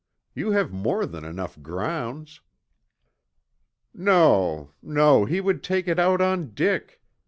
You have more than enough grounds." "No, no. He would take it out on Dick.